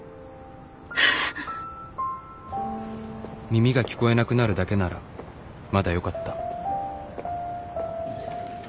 耳が聞こえなくなるだけならまだよかった